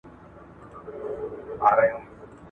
که وخت وي، وخت نيسم!!